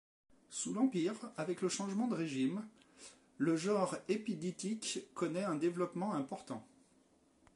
Sous l'Empire, avec le changement de régime, le genre épidictique connait un développement important.